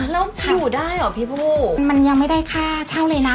แล้วอยู่ได้เหรอพี่ผู้มันยังไม่ได้ค่าเช่าเลยนะ